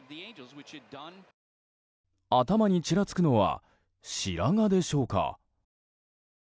頭にちらつくのは白髪でしょうか。